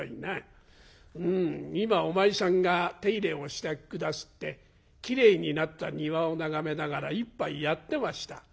うん今お前さんが手入れをして下すってきれいになった庭を眺めながら一杯やってました」。